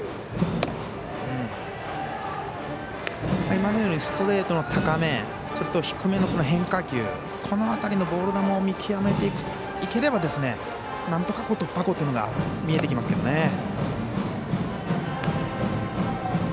今のようにストレートの高めそれと低めの変化球この辺りのボール球を見極めていければなんとか、突破口というのが見えてきますけどね。